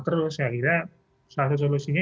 terus ya kira salah solusinya